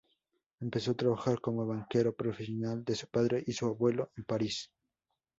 Empezó a trabajar como banquero, profesión de su padre y su abuelo en París.